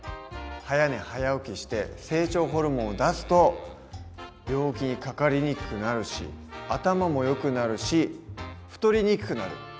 早寝早起きして成長ホルモンを出すと病気にかかりにくくなるし頭もよくなるし太りにくくなる。